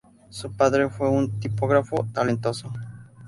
Su padre fue un tipógrafo talentoso.